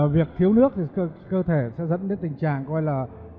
việc thiếu nước thì cơ thể sẽ dẫn đến tình trạng coi là